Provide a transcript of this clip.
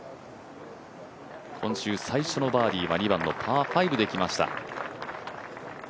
今週最初のバーディーは２番のパー５できました。